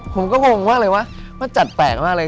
ผมก็งงว่าอะไรวะพระจัดแปลกมากเลย